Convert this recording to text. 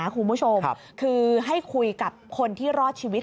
คุณผู้ชมคือให้คุยกับคนที่รอดชีวิต